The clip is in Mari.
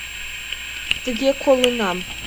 Тыге колынам.